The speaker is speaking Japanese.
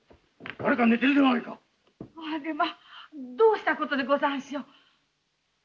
あれまあどうしたことでござんしょう。